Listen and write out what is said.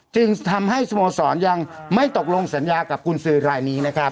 จึงทำให้สโมสรยังไม่ตกลงสัญญากับกุญสือรายนี้นะครับ